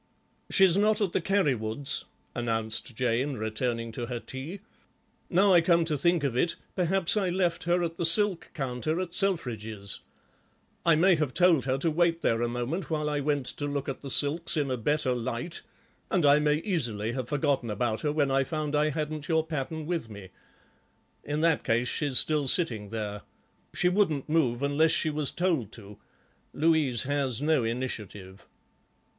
"She's not at the Carrywoods'," announced Jane, returning to her tea; "now I come to think of it, perhaps I left her at the silk counter at Selfridge's. I may have told her to wait there a moment while I went to look at the silks in a better light, and I may easily have forgotten about her when I found I hadn't your pattern with me. In that case she's still sitting there. She wouldn't move unless she was told to; Louise has no initiative."